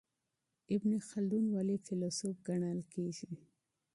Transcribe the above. ابن خلدون ولي فیلسوف ګڼل کیږي؟